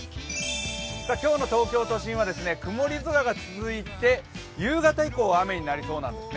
今日の東京都心は曇り空が続いて夕方以降は雨になりそうなんです。